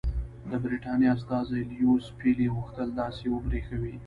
د برټانیې استازي لیویس پیلي غوښتل داسې وبرېښوي.